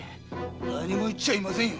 何も言っちゃいませんよ！